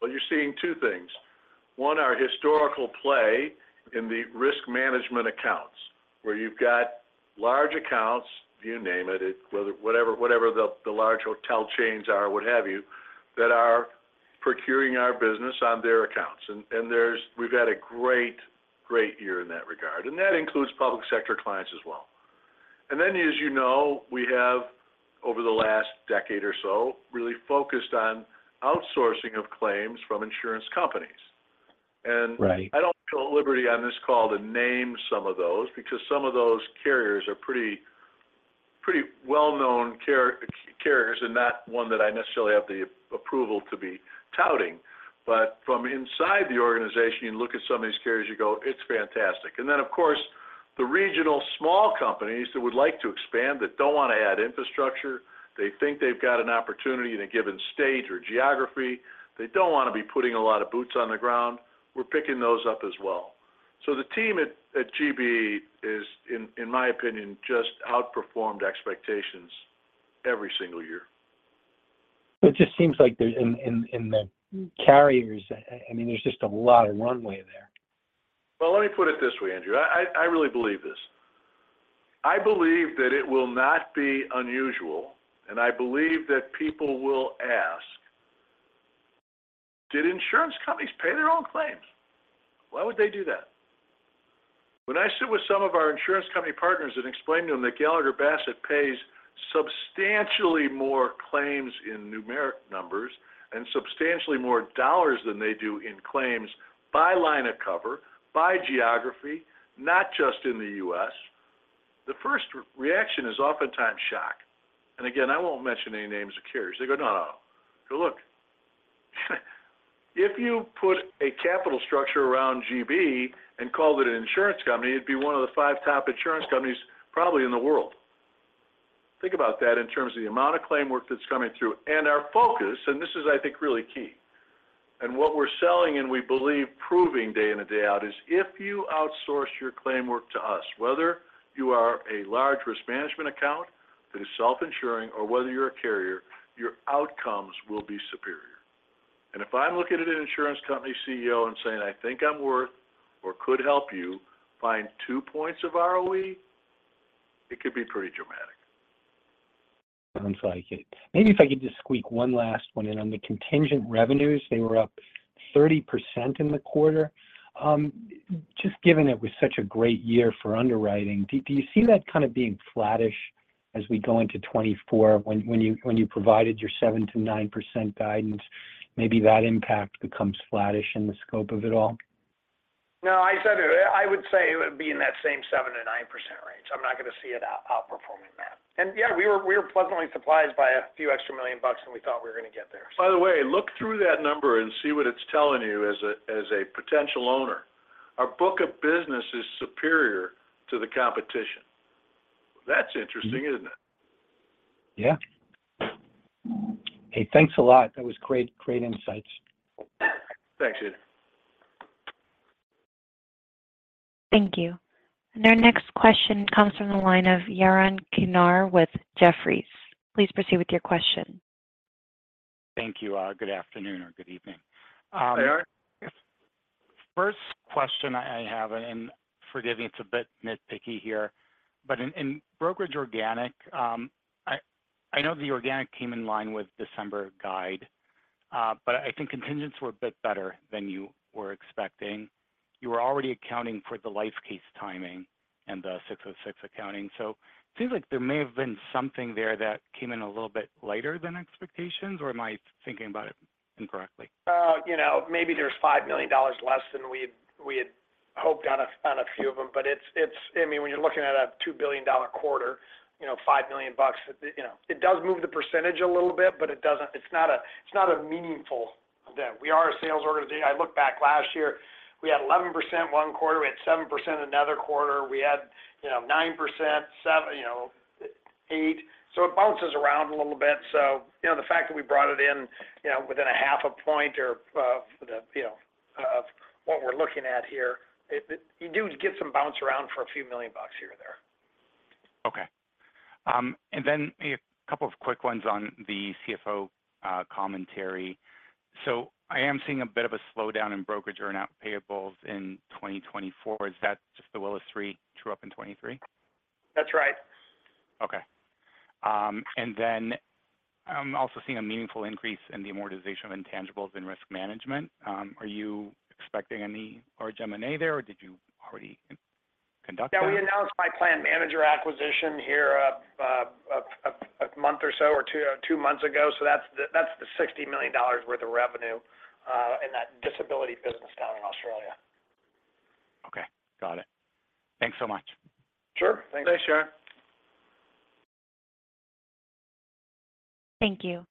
Well, you're seeing two things. One, our historical play in the risk management accounts, where you've got large accounts, you name it, whatever the large hotel chains are, what have you, that are procuring our business on their accounts. And there's we've had a great, great year in that regard, and that includes public sector clients as well. And then, as you know, we have, over the last decade or so, really focused on outsourcing of claims from insurance companies. And- Right I don't feel at liberty on this call to name some of those, because some of those carriers are pretty, pretty well-known carriers, and not one that I necessarily have the approval to be touting. But from inside the organization, you look at some of these carriers, you go, "It's fantastic." And then, of course, the regional small companies that would like to expand, that don't want to add infrastructure, they think they've got an opportunity in a given state or geography. They don't want to be putting a lot of boots on the ground. We're picking those up as well. So the team at GB is, in my opinion, just outperformed expectations every single year. It just seems like there's in the carriers, I mean, there's just a lot of runway there. Well, let me put it this way, Andrew. I, I, I really believe this. I believe that it will not be unusual, and I believe that people will ask, "Did insurance companies pay their own claims? Why would they do that?" When I sit with some of our insurance company partners and explain to them that Gallagher Bassett pays substantially more claims in numeric numbers and substantially more dollars than they do in claims by line of cover, by geography, not just in the U.S., the first reaction is oftentimes shock. And again, I won't mention any names of carriers. They go, "No, no." I go, "Look, if you put a capital structure around GB and called it an insurance company, it'd be one of the five top insurance companies, probably in the world." Think about that in terms of the amount of claim work that's coming through. Our focus, and this is, I think, really key, and what we're selling, and we believe proving day in and day out, is if you outsource your claim work to us, whether you are a large risk management account that is self-insuring or whether you're a carrier, your outcomes will be superior. If I'm looking at an insurance company CEO and saying, "I think I'm worth or could help you find two points of ROE," it could be pretty dramatic. Sounds like it. Maybe if I could just squeak one last one in. On the contingent revenues, they were up 30% in the quarter. Just given it was such a great year for underwriting, do you see that kind of being flattish as we go into 2024? When you provided your 7%-9% guidance, maybe that impact becomes flattish in the scope of it all. No, I said it. I would say it would be in that same 7%-9% range. I'm not going to see it outperforming that. And yeah, we were pleasantly surprised by a few extra $million than we thought we were going to get there. By the way, look through that number and see what it's telling you as a, as a potential owner. Our book of business is superior to the competition. That's interesting, isn't it? Yeah. Hey, thanks a lot. That was great, great insights. Thanks, dude. Thank you. And our next question comes from the line of Yaron Kinar with Jefferies. Please proceed with your question. Thank you. Good afternoon or good evening. Hi, Yaron. First question I have, and forgive me, it's a bit nitpicky here, but in brokerage organic, I know the organic came in line with December guide, but I think contingents were a bit better than you were expecting. You were already accounting for the life case timing and the 606 accounting. So it seems like there may have been something there that came in a little bit lighter than expectations, or am I thinking about it incorrectly? You know, maybe there's $5 million less than we had hoped on a few of them, but it's. I mean, when you're looking at a $2 billion quarter, you know, $5 million bucks, you know, it does move the percentage a little bit, but it doesn't. It's not a meaningful event. We are a sales organization. I look back last year, we had 11% one quarter, we had 7% another quarter. We had, you know, 9%, 7, you know, 8. So it bounces around a little bit. So, you know, the fact that we brought it in, you know, within half a point or the, you know, of what we're looking at here, it. You do get some bounce around for a few million bucks here or there. Okay. Then a couple of quick ones on the CFO commentary. I am seeing a bit of a slowdown in brokerage earnout payables in 2024. Is that just the Willis Re true up in 2023? That's right. Okay. And then I'm also seeing a meaningful increase in the amortization of intangibles and risk management. Are you expecting any large M&A there, or did you already conduct that? Yeah, we announced My Plan Manager acquisition here a month or so or two, two months ago. So that's the $60 million worth of revenue in that disability business down in Australia. Okay. Got it. Thanks so much. Sure. Thanks. Thanks, Yaron. Thank you.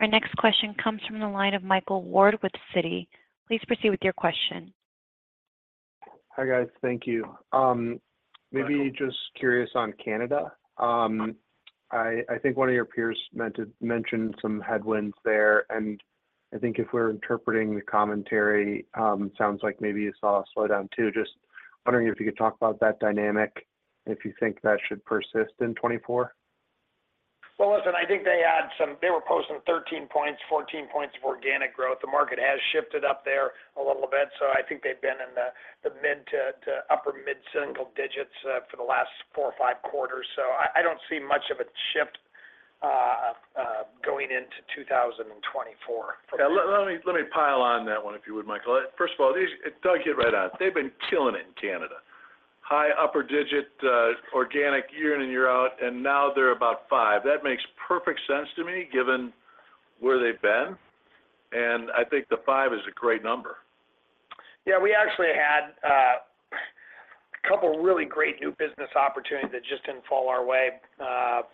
Our next question comes from the line of Michael Ward with Citi. Please proceed with your question. Hi, guys. Thank you. Michael. Maybe just curious on Canada. I, I think one of your peers meant to mention some headwinds there, and I think if we're interpreting the commentary, it sounds like maybe you saw a slowdown, too. Just wondering if you could talk about that dynamic, if you think that should persist in 2024. Well, listen, I think they had some. They were posting 13 points, 14 points of organic growth. The market has shifted up there a little bit, so I think they've been in the mid- to upper mid-single digits for the last 4 or 5 quarters. So I don't see much of a shift going into 2024. Yeah, let me, let me pile on that one, if you would, Michael. First of all, these, Doug hit right on. They've been killing it in Canada. High upper digit organic year in and year out, and now they're about five. That makes perfect sense to me, given where they've been, and I think the five is a great number. Yeah, we actually had a couple of really great new business opportunities that just didn't fall our way,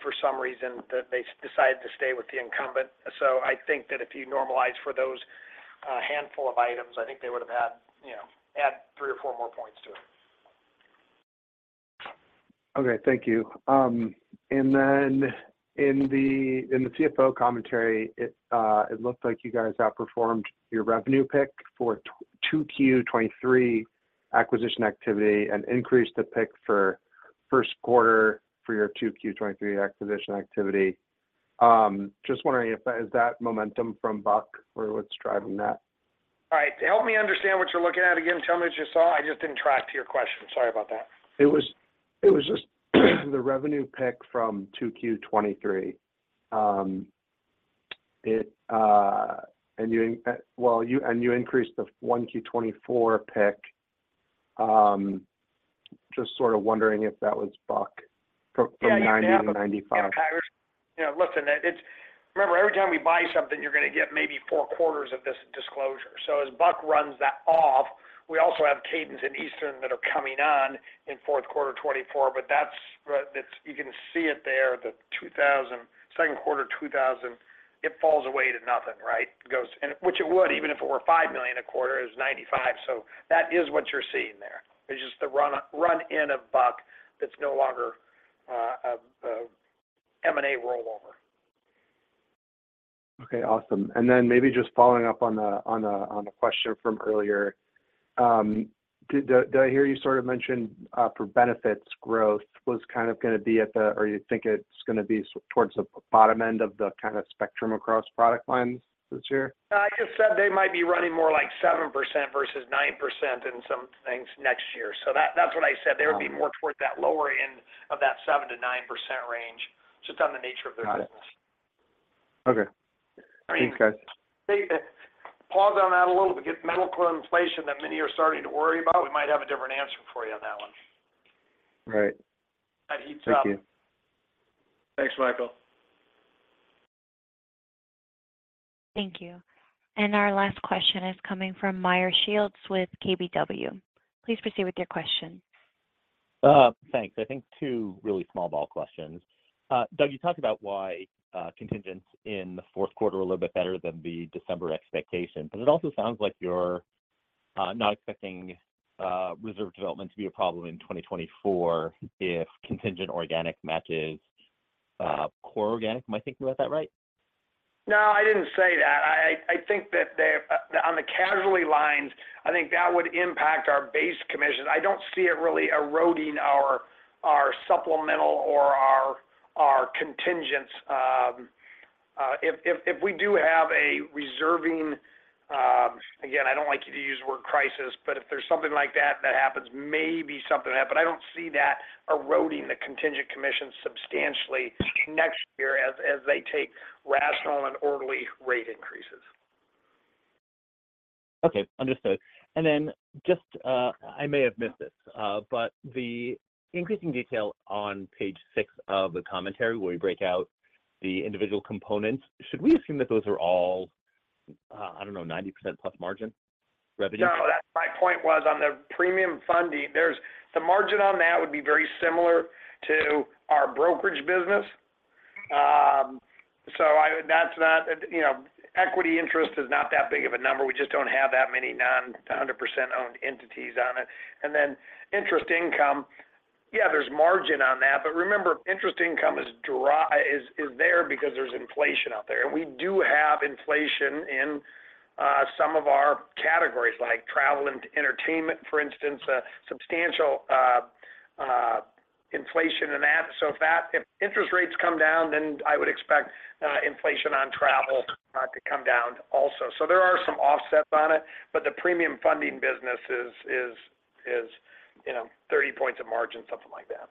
for some reason, that they decided to stay with the incumbent. So I think that if you normalize for those handful of items, I think they would have had, you know, add three or four more points to it. Okay, thank you. And then in the CFO commentary, it looked like you guys outperformed your revenue pick for 2Q-2023 acquisition activity and increased the pick for Q1 for your 2Q-2023 acquisition activity. Just wondering if that is momentum from Buck or what's driving that? All right, help me understand what you're looking at again. Tell me what you saw. I just didn't track to your question. Sorry about that. It was, it was just the revenue pick from 2Q 2023. And you increased the 1Q 2024 pick. Just sort of wondering if that was Buck from. Yeah From 90-95. Yeah, listen, it's remember, every time we buy something, you're going to get maybe four quarters of this disclosure. So as Buck runs that off, we also have Cadence and Eastern that are coming on in fourth quarter 2024, but that's, you can see it there, the $2,000, second quarter $2,000, it falls away to nothing, right? It goes and which it would, even if it were $5 million a quarter, is 95. So that is what you're seeing there. It's just the run-in of Buck that's no longer a M&A rollover. Okay, awesome. And then maybe just following up on a question from earlier. Did I hear you sort of mention for benefits growth was kind of going to be at the or you think it's going to be towards the bottom end of the kind of spectrum across product lines this year? I just said they might be running more like 7% versus 9% in some things next year. So that's what I said. Got it. They would be more towards that lower end of that 7%-9% range, just on the nature of their business. Got it. Okay. Thanks, guys. Pause on that a little bit, because medical inflation that many are starting to worry about, we might have a different answer for you on that one. Right. That heats up. Thank you. Thanks, Michael. Thank you. Our last question is coming from Meyer Shields with KBW. Please proceed with your question. Thanks. I think two really small ball questions. Doug, you talked about why contingents in the Q4 are a little bit better than the December expectation, but it also sounds like you're not expecting reserve development to be a problem in 2024 if contingent organic matches core organic. Am I thinking about that right? No, I didn't say that. I think that on the casualty lines, I think that would impact our base commission. I don't see it really eroding our supplemental or our contingents. If we do have a reserving, again, I don't like to use the word crisis, but if there's something like that that happens, maybe something will happen. But I don't see that eroding the contingent commission substantially next year as they take rational and orderly rate increases. Okay, understood. And then just, I may have missed this, but the increasing detail on page 6 of the commentary, where we break out the individual components, should we assume that those are all, I don't know, 90% plus margin revenue? No, that's my point was on the premium funding, there's the margin on that would be very similar to our brokerage business. So that's not, you know, equity interest is not that big of a number. We just don't have that many non-100% owned entities on it. And then interest income, yeah, there's margin on that, but remember, interest income is there because there's inflation out there. And we do have inflation in some of our categories, like travel and entertainment, for instance, a substantial inflation in that. So if that- if interest rates come down, then I would expect inflation on travel to come down also. So there are some offsets on it, but the premium funding business is, you know, 30 points of margin, something like that.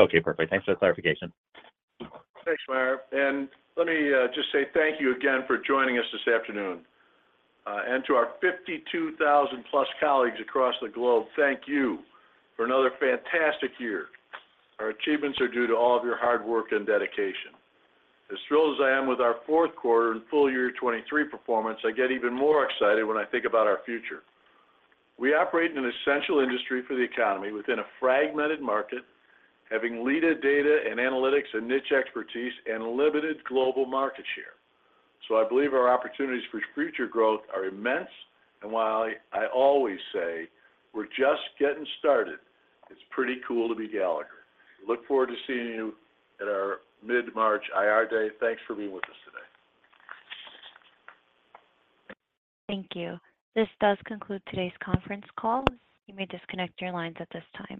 Okay, perfect. Thanks for the clarification. Thanks, Mair. And let me just say thank you again for joining us this afternoon. And to our 52,000+ colleagues across the globe, thank you for another fantastic year. Our achievements are due to all of your hard work and dedication. As thrilled as I am with our Q4 and full year 2023 performance, I get even more excited when I think about our future. We operate in an essential industry for the economy within a fragmented market, having leading data and analytics and niche expertise and limited global market share. So I believe our opportunities for future growth are immense, and while I, I always say we're just getting started, it's pretty cool to be Gallagher. Look forward to seeing you at our mid-March IR Day. Thanks for being with us today. Thank you. This does conclude today's conference call. You may disconnect your lines at this time.